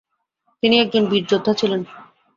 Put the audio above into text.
তিনি একজন বীর যোদ্ধা ছিলেন।